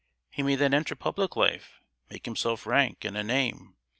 He may then enter public life—make himself rank, and a name!